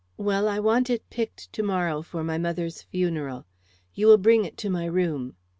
"Well, I want it picked to morrow for my mother's funeral. You will bring it to my room."